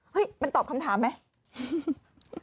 มันตอบคำถามไหม